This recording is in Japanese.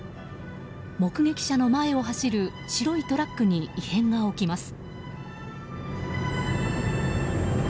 目撃者の前を走る白いトラックに異変が起きます。